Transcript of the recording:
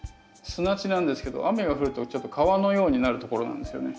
砂地なんですけど雨が降るとちょっと川のようになるところなんですよね。